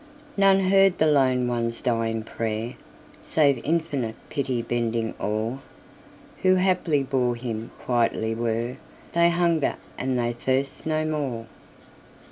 None heard the lone one's dying prayerSave Infinite Pity bending o'er, Who, haply, bore him quietly whereThey hunger and they thirst no more.